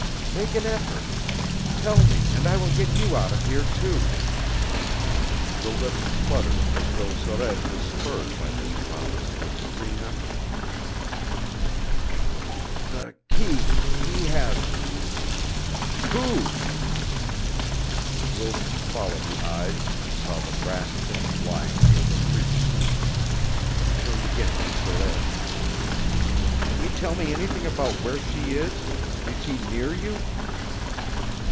"Make an effort. Tell me, and I will get you out of here too." The lips fluttered as though Sorez was spurred by this promise to a supreme effort. "The key he has it." "Who?" Wilson followed the eyes and saw the brass thing lying near the Priest. He turned again to Sorez "Can you tell me anything about where she is? Is she near you?"